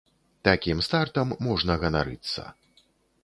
Такім стартам можна ганарыцца.